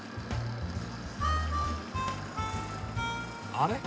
あれ？